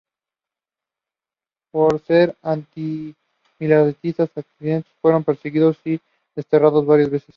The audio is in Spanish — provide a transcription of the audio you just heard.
Por ser antimilitaristas, anticlericales fueron perseguidos y desterrados varias veces.